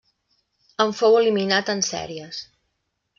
En fou eliminat en sèries.